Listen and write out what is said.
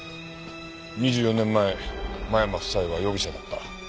２４年前間山夫妻は容疑者だった。